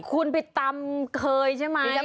คุณไปตำเคยใช่ไหม